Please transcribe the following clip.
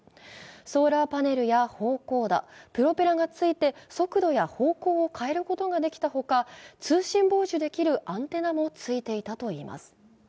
ソーラーパネルや方向舵、プロペラが付いて、速度や方向を変えることができたほか、通信傍受できるアンテナもついていたといいます。